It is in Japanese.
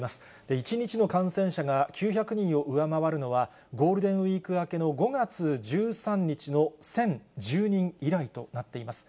１日の感染者が９００人を上回るのは、ゴールデンウィーク明けの５月１３日の１０１０人以来となっています。